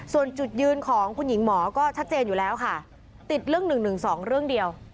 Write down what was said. ส่วนจุดยืนของคุณหญิงหมอก็ชัดเจนอยู่แล้วค่ะติดเรื่อง๑๑๒เรื่องเดียว